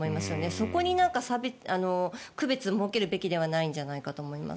そこに区別を設けるべきではないんじゃないかと思います。